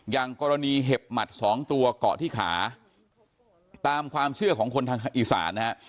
อย่างกรณีเห็บหมัดสองตัวเกาะที่ขาตามความเชื่อของคนทางอีสานนะฮะ